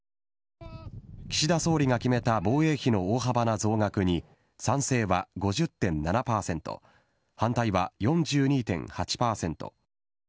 岸田総理が決めた防衛費の大幅な増額に賛成は５０．７％、反対は４２．８％。